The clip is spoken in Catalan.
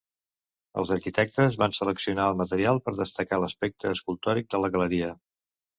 Els arquitectes van seleccionar el material per destacar l'aspecte escultòric de la galeria.